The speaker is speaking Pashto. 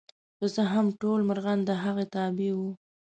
که څه هم ټول مرغان د هغه تابع وو.